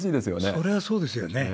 そりゃあそうですよね。